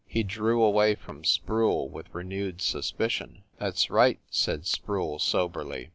He drew away from Sproule with renewed suspicion. "That s right," said Sproule soberly.